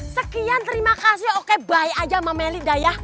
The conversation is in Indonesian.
sekian terima kasih oke bye aja sama meli dah ya